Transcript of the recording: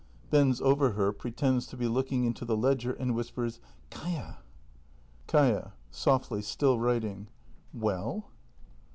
[Bends over her, pre tends to be looking into the ledger, and whispers:] Kaia! Kaia. [Softly, still writing.] Well